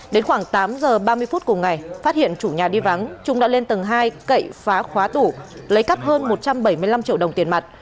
đến khoảng tám giờ ba mươi phút cùng ngày phát hiện chủ nhà đi vắng chúng đã lên tầng hai cậy phá khóa tủ lấy cắt hơn một trăm bảy mươi năm triệu đồng tiền mặt